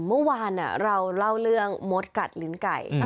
เมื่อวานเราเล่าเรื่องมดกัดลิ้นไก่